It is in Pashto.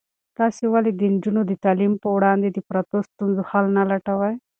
تاسې ولې د نجونو د تعلیم په وړاندې د پرتو ستونزو حل نه لټوئ؟